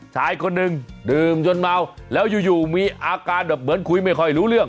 ชายคนหนึ่งดื่มจนเมาแล้วอยู่มีอาการแบบเหมือนคุยไม่ค่อยรู้เรื่อง